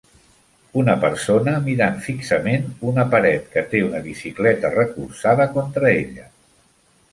Una persona mirant fixament una paret que té una bicicleta recolzada contra ella.